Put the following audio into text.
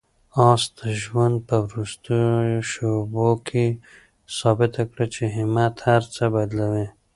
آس د ژوند په وروستیو شېبو کې ثابته کړه چې همت هر څه بدلوي.